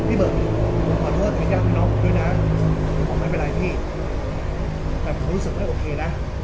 พี่เบิร์ตขอโทษให้ยากน้องด้วยนะอ๋อไม่เป็นไรพี่แต่เขารู้สึกว่าโอเคนะ